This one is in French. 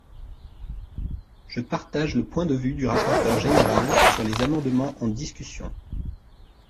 Je partage le point de vue du rapporteur général sur les amendements en discussion.